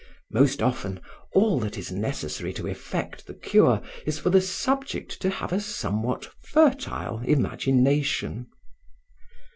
Most often, all that is necessary to effect the cure is for the subject to have a somewhat fertile imagination.